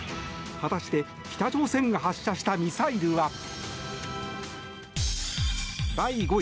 果たして、北朝鮮が発射したミサイルは。